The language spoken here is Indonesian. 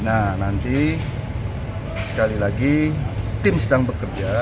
nah nanti sekali lagi tim sedang bekerja